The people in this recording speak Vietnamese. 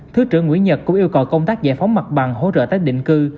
thứ trưởng nguyễn nhật cũng yêu cầu công tác giải phóng mặt bằng hỗ trợ tách định cư